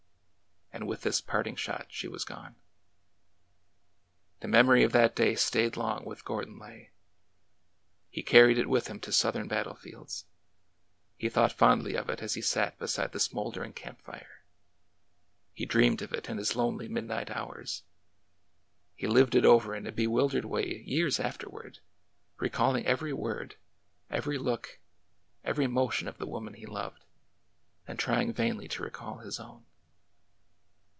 And with this parting shot she was gone. The memory of that day stayed long with Gordon Lay. He carried it with him to Southern battle fields ; he thought fondly of it as he sat beside the smoldering camp fire ; he dreamed of it in his lonely midnight hours ; he lived it over in a bewildered way years afterward, re calling every word, every look, every motion of the wo man he loved, and trying vainly to recall his own.